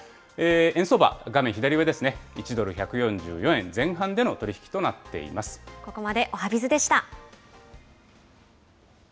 円相場、画面左上ですね、１ドル１４４円前半での取り引きとなっここまでおはＢｉｚでした。